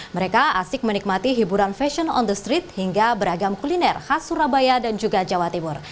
mereka asik menikmati hiburan fashion on the street hingga beragam kuliner khas surabaya dan juga jawa timur